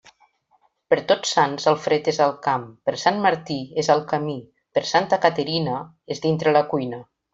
Per Tots Sants, el fred és al camp; per Sant Martí, és al camí; per Santa Caterina, és dintre la cuina.